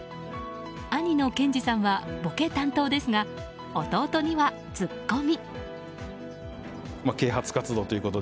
兄の健司さんはボケ担当ですが弟にはツッコミ。